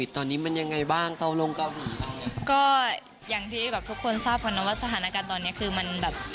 ตอนนี้มันยังไงบ้างเกาลงเกาหลีก็อย่างที่แบบทุกคนทราบกันนะว่าสถานการณ์ตอนนี้คือมันแบบ